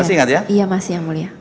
iya masih yang mulia